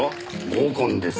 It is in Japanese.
合コンです。